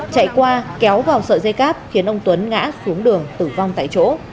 chạy qua kéo vào sợi dây cáp khiến ông tuấn ngã xuống đường tử vong tại chỗ